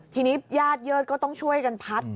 ทีนี้ญาติเยิดก็ต้องช่วยกันพัด